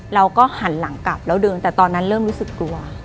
เราก็หันหลังกลับแล้วเดินแต่ตอนนั้นเริ่มรู้สึกกลัว